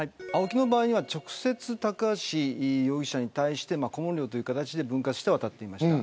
ＡＯＫＩの場合は直接高橋容疑者に対して顧問料という形で分割して渡っていました。